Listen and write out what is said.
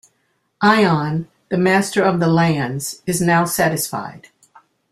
Ion, the master of the lands, is now satisfied.